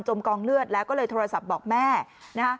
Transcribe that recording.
กองเลือดแล้วก็เลยโทรศัพท์บอกแม่นะคะ